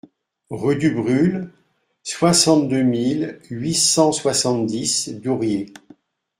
Rue Dubrulle, soixante-deux mille huit cent soixante-dix Douriez